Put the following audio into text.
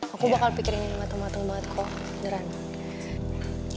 aku bakal pikirin mateng mateng banget kok beneran